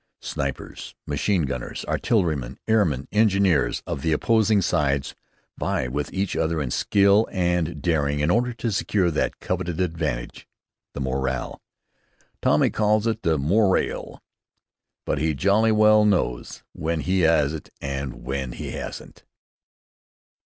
Snipers, machine gunners, artillerymen, airmen, engineers of the opposing sides, vie with each other in skill and daring, in order to secure that coveted advantage, the morale. Tommy calls it the "more ale," but he jolly well knows when he has it and when he hasn't.